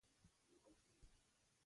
موږ سوله غواړو